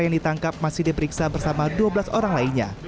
yang ditangkap masih diperiksa bersama dua belas orang lainnya